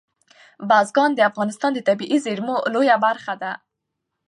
بزګان د افغانستان د طبیعي زیرمو یوه لویه برخه ده.